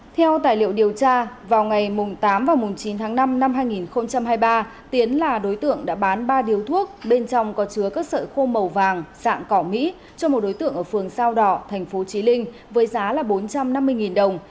theo tài liệu điều tra vào ngày tám và chín tháng năm năm hai nghìn hai mươi ba tiến là đối tượng đã bán ba điếu thuốc bên trong có chứa các sợi khô màu vàng xạ cỏ mỹ cho một đối tượng ở phường sao đỏ tp chí linh với giá là bốn trăm năm mươi đồng